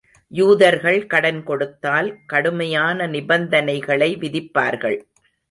யூதர்கள் கடன் கொடுத்தால், கடுமையான நிபந்தனைகளை விதிப்பார்கள்.